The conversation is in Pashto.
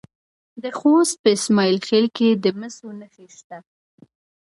د خوست په اسماعیل خیل کې د مسو نښې شته.